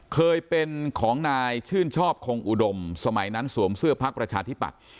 เคยเป็นของนายชื่นชอบคงอุดมสมัยนั้นสวมเสื้อพักประชาธิปัตย์